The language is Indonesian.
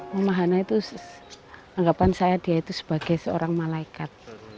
mamahana itu anggapan saya dia itu sebagai seorang malaikat